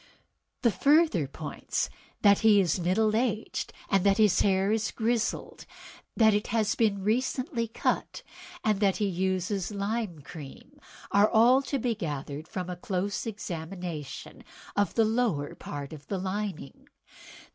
"The further points, that he is middle aged, that his hair is grizzled, that it has been recently cut, and that he uses lime cream, are all to be gathered from a close examination of the lower part of the lining.